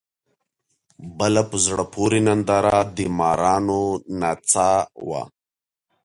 بله په زړه پورې ننداره د مارانو نڅا وه.